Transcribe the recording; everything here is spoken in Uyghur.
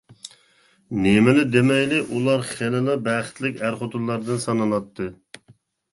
نېمىلا دېمەيلى، ئۇلار خېلىلا بەختلىك ئەر-خوتۇنلاردىن سانىلاتتى.